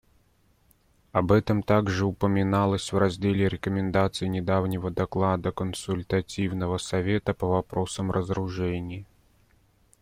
Об этом также упоминалось в разделе рекомендаций недавнего доклада Консультативного совета по вопросам разоружения.